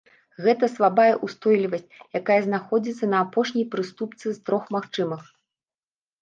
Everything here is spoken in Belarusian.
Гэта слабая ўстойлівасць, якая знаходзіцца на апошняй прыступцы з трох магчымых.